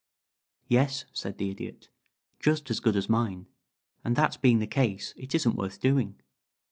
"Yes," said the Idiot. "Just as good as mine, and that being the case it isn't worth doing.